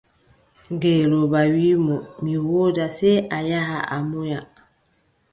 Ngeelooba wii mo: mi woodaa, sey a yaha a munya.